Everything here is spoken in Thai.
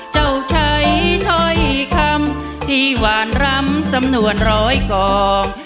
เจ้าใช้ถ้อยคำที่หวานรำสำนวนร้อยกอง